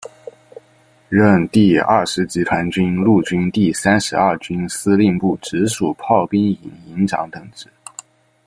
任第二十集团军陆军第三十二军司令部直属炮兵营营长等职。